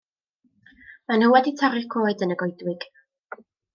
Mae nhw wedi torri'r coed yn y goedwig.